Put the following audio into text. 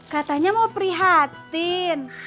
katanya mau prihatin